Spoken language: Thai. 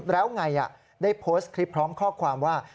แล้วไงได้โพสต์คลิปพร้อมข้อความว่า